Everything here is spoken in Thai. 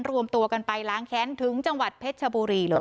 รวมตัวกันไปล้างแค้นถึงจังหวัดเพชรชบุรีเลย